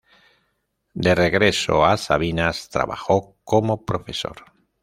De regreso a Sabinas trabajó como profesor.